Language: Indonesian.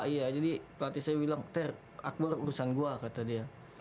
iya jadi pelatih saya bilang tera akbar urusan gua kata dia